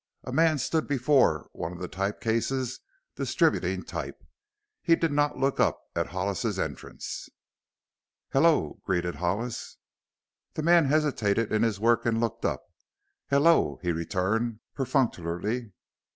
A man stood before one of the type cases distributing type. He did not look up at Hollis's entrance. "Hello!" greeted Hollis. The man hesitated in his work and looked up. "Hello," he returned, perfunctorily.